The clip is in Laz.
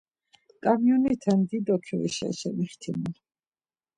Ǩamiyonite dido kyoişa eşemixtimun.